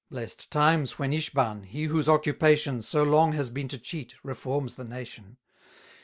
Blest times when Ishban, he whose occupation So long has been to cheat, reforms the nation!